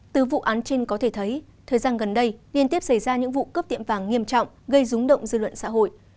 từ vụ án trên có thể thấy thời gian gần đây liên tiếp xảy ra những vụ cướp tiệm vàng nghiêm trọng gây rúng động dư luận xã hội